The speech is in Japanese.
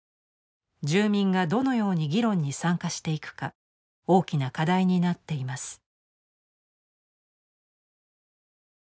住民がどのように議論に参加していくか大きな課題になっています。